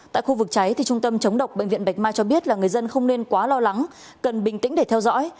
tại khu vực cháy trung tâm chống độc bệnh viện bạch mai cho biết là người dân không nên quá lo lắng cần bình tĩnh để theo dõi